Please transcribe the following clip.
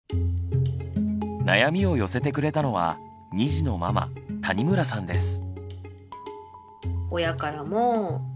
悩みを寄せてくれたのは２児のママ谷村さんです。